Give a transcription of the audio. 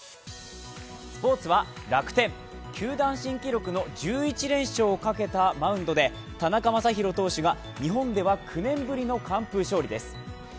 スポーツは楽天、球団新記録の１１連勝をかけた田中将大投手が日本では９年ぶりの完封勝利です。